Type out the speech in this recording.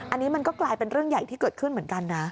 อันนี้มันก็กลายเป็นเรื่องใหญ่ที่เกิดขึ้นเหมือนกันนะ